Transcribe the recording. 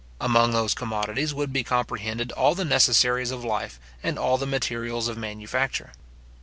Among those commodities would be comprehended all the necessaries of life, and all the materials of manufacture.